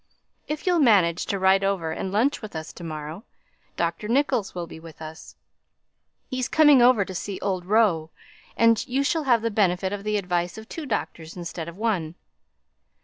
If you'll manage to ride over and lunch with us to morrow, Dr. Nicholls will be with us; he's coming over to see old Rowe; and you shall have the benefit of the advice of two doctors instead of one.